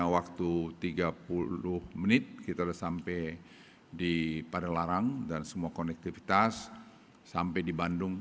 waktu tiga puluh menit kita sudah sampai di padalarang dan semua konektivitas sampai di bandung